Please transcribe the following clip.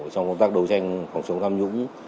trong công tác đấu tranh phòng chống tham nhũng